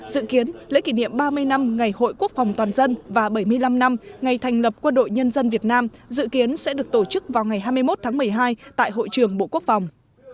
dự kiến lễ kỷ niệm ba mươi năm ngày hội quốc phòng toàn dân và bảy mươi năm năm ngày thành lập quân đội nhân dân việt nam dự kiến sẽ được tổ chức vào ngày hai mươi một tháng một mươi hai tại hội trường bộ quốc phòng